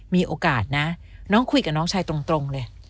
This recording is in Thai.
มีโอกาสนะน้องคุยกับน้องชายตรงเลย